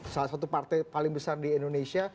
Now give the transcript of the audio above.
salah satu partai paling besar di indonesia